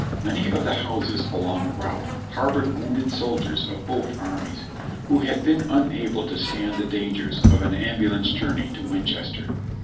Many of the houses along the route harbored wounded soldiers of both armies, who had been unable to stand the dangers of an ambulance journey to Winchester.